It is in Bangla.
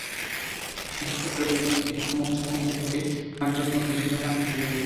সিদ্ধেশ্বরী রোডের মুখ থেকে মৌচাক মার্কেট হয়ে মালিবাগ মোড় পর্যন্ত পানিতে ডুবে আছে।